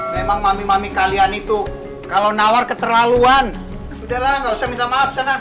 memang mami mami kalian itu kalau nawar keterlaluan sudah langsung minta maaf sana